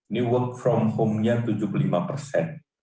dari rumahnya tujuh puluh lima persen